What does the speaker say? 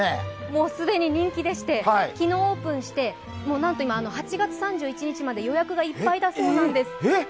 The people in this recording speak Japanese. もう既に人気でして、昨日オープンして、もうなんと、今、８月３１日まで予約がいっぱいだそうです。